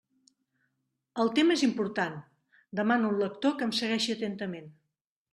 El tema és important; demano al lector que em segueixi atentament.